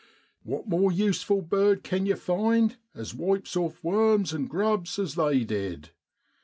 What more useful bird can yer find, as wipes off worms an' grubs as they did